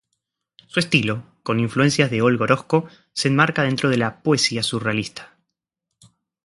Su estilo, con influencias de Olga Orozco, se enmarca dentro de la poesía surrealista.